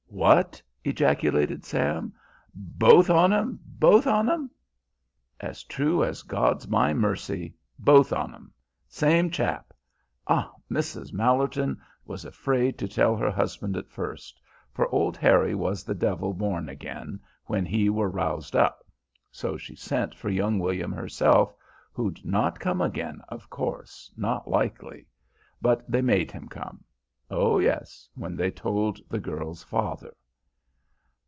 "What!" ejaculated Sam, "both on 'em, both on 'em!" "As true as God's my mercy both on 'em same chap. Ah! Mrs. Mallerton was afraid to tell her husband at first, for old Harry was the devil born again when he were roused up, so she sent for young William herself, who'd not come again, of course, not likely. But they made him come, O yes, when they told the girl's father.